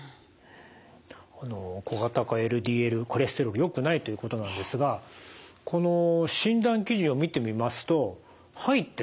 小型化ＬＤＬコレステロールよくないということなんですがこの診断基準を見てみますと入ってないですよね。